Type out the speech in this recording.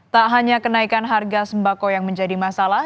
tak hanya kenaikan harga sembako yang menjadi masalah